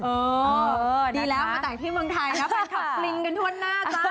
เออดีแล้วมาแต่งที่เมืองไทยแล้วแฟนคลับลิงกันทั่วหน้าจ้า